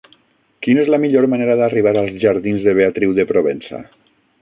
Quina és la millor manera d'arribar als jardins de Beatriu de Provença?